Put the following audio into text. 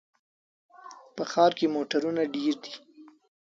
په ښار کې موټرونه ډېر دي.